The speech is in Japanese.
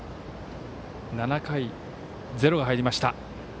７回、ゼロが入りました。